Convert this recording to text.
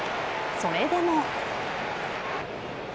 それでも。